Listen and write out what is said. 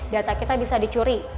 data kita bisa dicuri